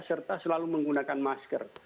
serta selalu menggunakan masker